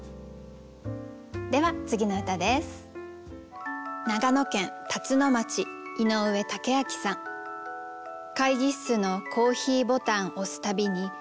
では次の歌です。